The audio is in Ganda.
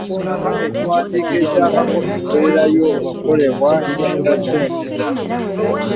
Kaakano ekiwandiiko ekyakakomererayo okukolebwa kye kya Ssenteza